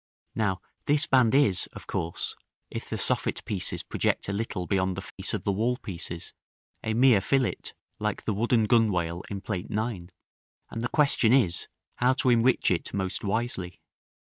Now this band is, of course, if the soffit pieces project a little beyond the face of the wall pieces, a mere fillet, like the wooden gunwale in Plate IX.; and the question is, how to enrich it most wisely.